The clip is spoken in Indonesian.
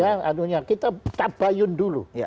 anunya kita tabayun dulu